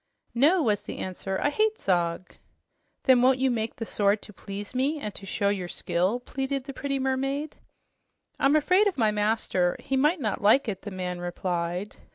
"No," was the answer. "I hate Zog." "Then won't you make the sword to please me and to show your skill?" pleaded the pretty mermaid. "I'm afraid of my master. He might not like it," the man replied.